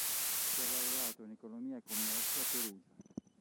Si è laureato in Economia e Commercio a Perugia.